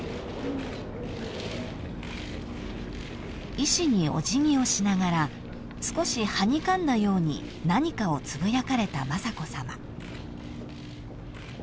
［医師におじぎをしながら少しはにかんだように何かをつぶやかれた雅子さま］